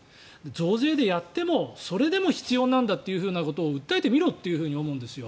増税でやってもそれでも必要なんだということを訴えてみろと思うんですよ。